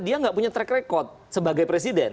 dia nggak punya track record sebagai presiden